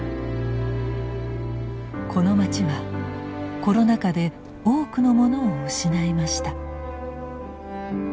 この町はコロナ禍で多くのものを失いました。